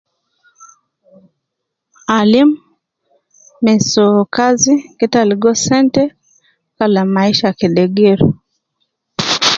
Alim me so kazi keta ligo kazi kalam maisha kede geeru.